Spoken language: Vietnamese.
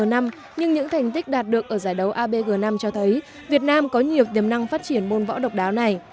lực ở giải đấu abg năm cho thấy việt nam có nhiều tiềm năng phát triển môn võ độc đáo này